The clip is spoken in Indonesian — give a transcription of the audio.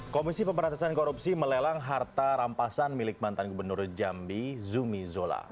komisi pemberantasan korupsi melelang harta rampasan milik mantan gubernur jambi zumi zola